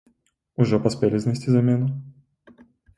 Ужо паспелі знайсці замену?